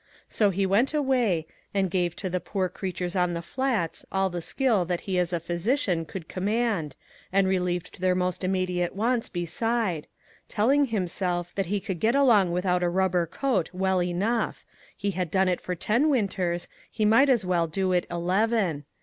So lie went away, and gave to the ^>oor creatures on the Flats all the skill that he as a physician could command, and relieved their most immediate wants beside ; telling himself that he could get along without a rubber coat well enough ; he had done it for ten winters, he might as well do it eleven.